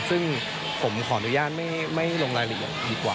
ซึ่งผมขออนุญาตไม่ลงรายละเอียดดีกว่า